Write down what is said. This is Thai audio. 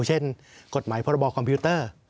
ออกเสียงประชามาติเพราะฉะนั้นโดยหลักของการออกเสียงประชามาติ